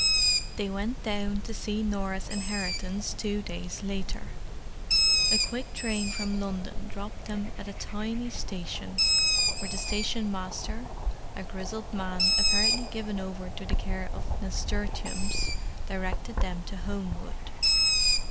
They went down to see Norah's inheritance two days later. A quick train from London dropped them at a tiny station, where the stationmaster, a grizzled man apparently given over to the care of nasturtiums, directed them to Homewood.